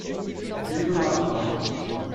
J'ai de l'argent.